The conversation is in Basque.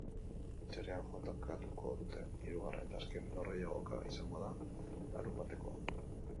Atzerrian jokatuko duten hirugarren eta azken norgehiagoka izango da larunbatekoa.